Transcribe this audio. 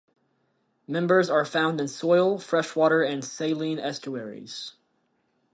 Members are found in soil, fresh water, and saline estuaries.